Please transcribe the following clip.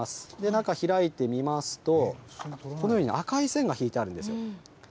中開いてみますと、このように赤い線が引いてあるんですよ。